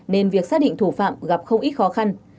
nên việc xác định thủ phạm gặp không ít khó khăn